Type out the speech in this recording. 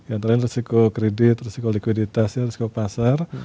antara resiko kredit resiko likuiditas dan resiko pasar